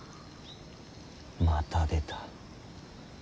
また出た。